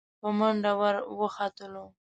په منډه ور وختلو.